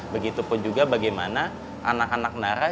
begitu pun juga bagaimana anak anak nara